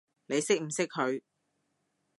你識唔識佢？